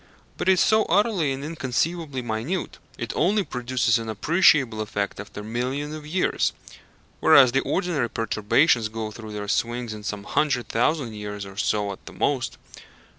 But it is so utterly and inconceivably minute it only produces an appreciable effect after millions of years whereas the ordinary perturbations go through their swings in some hundred thousand years or so at the most.